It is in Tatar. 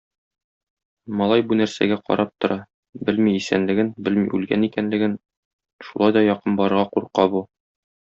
Малай бу нәрсәгә карап тора, белми исәнлеген, белми үлгән икәнлеген, шулай да якын барырга курка бу.